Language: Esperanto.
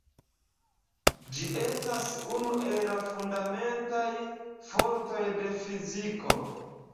Ĝi estas unu el la fundamentaj fortoj de fiziko.